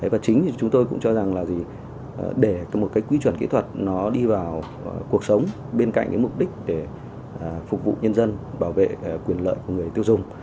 và chính thì chúng tôi cũng cho rằng là để một cái quy chuẩn kỹ thuật nó đi vào cuộc sống bên cạnh cái mục đích để phục vụ nhân dân bảo vệ quyền lợi của người tiêu dùng